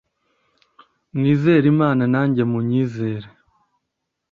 mwizere imana nanjye munyizere